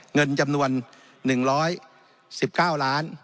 เงินจำนวน๑๑๙ล้าน